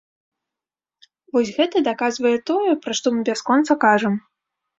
Вось гэта даказвае тое, пра што мы бясконца кажам.